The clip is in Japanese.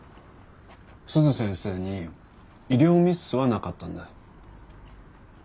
鈴先生に医療ミスはなかったんだ。